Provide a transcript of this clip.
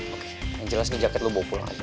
oke yang jelas nih jaket lo bawa pulang aja